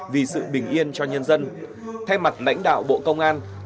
vì sự bình yên cho nhân dân